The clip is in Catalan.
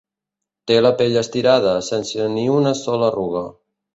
Té la pell estirada, sense ni una sola arruga.